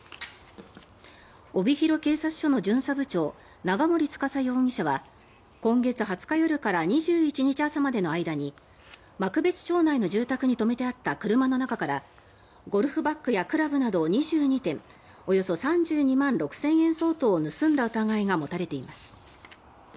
帯広警察署の巡査部長長森司容疑者は今月２０日夜から２１日朝までの間に幕別町内の住宅に止めてあった車の中からゴルフバッグやクラブなど２２点およそ３２万６０００円相当を盗んだ疑いが持たれています。